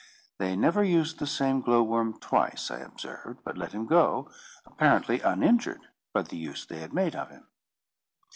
They never used the same glowworm twice, I observed; but let him go, apparently uninjured by the use they had made of him.